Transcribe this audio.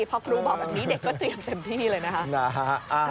พอครูบอกแบบนี้เด็กก็เตรียมเต็มที่เลยนะคะ